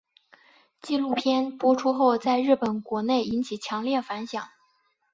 纪录片播出后在日本国内引起强烈反响。